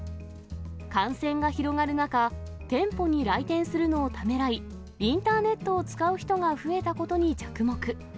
感染が広がる中、店舗に来店するのをためらい、インターネットを使う人が増えたことに着目。